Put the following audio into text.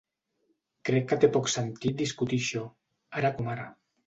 Crec que té poc sentit discutir això, ara com ara.